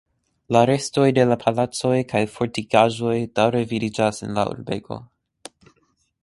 La restoj de la palacoj kaj fortikaĵoj daŭre vidiĝas en la urbego.